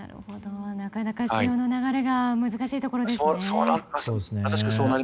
なかなか潮の流れが難しいところですね。